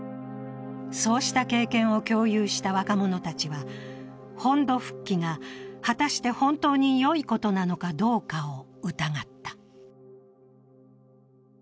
そうした経験を共有した若者たちは、本土復帰が果たして本当によいことなのかどうかを疑った。